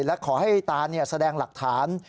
แล้วขอให้ตานเนี่ยแสดงหลักฐาน